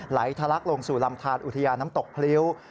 ทะลักลงสู่ลำทานอุทยานน้ำตกพริ้ว